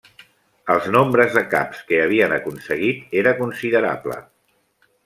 Els nombres de caps que havien aconseguit era considerable.